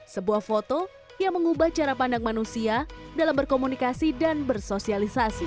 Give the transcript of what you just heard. sebuah foto yang mengubah cara pandang manusia dalam berkomunikasi dan bersosialisasi